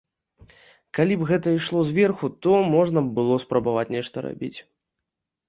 Калі б гэта ішло зверху, то можна б было спрабаваць нешта рабіць.